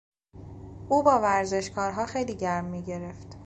او با ورزشکارها خیلی گرم میگرفت.